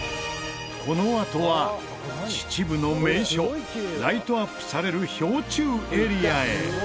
このあとは秩父の名所ライトアップされる氷柱エリアへ。